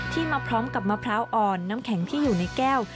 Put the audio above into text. มาพร้อมกับมะพร้าวอ่อนน้ำแข็งที่อยู่ในแก้ว